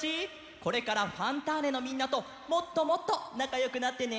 これから「ファンターネ！」のみんなともっともっとなかよくなってね！